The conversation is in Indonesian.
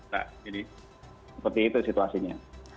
jadi seperti itu situasinya